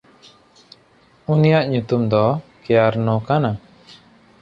ᱩᱱᱤᱭᱟᱜ ᱧᱩᱛᱩᱢ ᱫᱚ ᱠᱮᱭᱟᱨᱱᱚ ᱠᱟᱱᱟ᱾